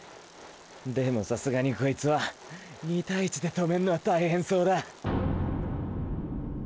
でもさすがにこいつは２対１で止めんのは大変そうだ。